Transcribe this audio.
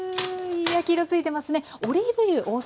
焼き色付いてますね。